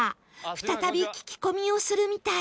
再び聞き込みをするみたい